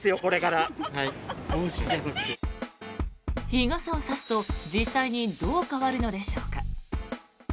日傘を差すと実際にどう変わるのでしょうか。